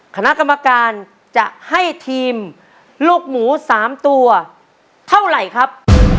คณะกรรมการจะให้ทีมลูกหมู๓ตัวเท่าไหร่ครับ